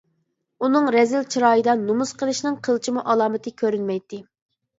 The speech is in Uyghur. ئۇنىڭ رەزىل چىرايىدا نومۇس قىلىشنىڭ قىلچىمۇ ئالامىتى كۆرۈنمەيتتى.